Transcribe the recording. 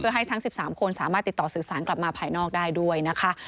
ให้ทั้ง๑๓คนสามารถติดต่อสื่อสารกลับมาภายนอกได้ด้วยนะคะ